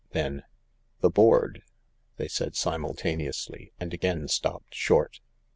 Then: " The board," they said simultaneously, and again stopped short.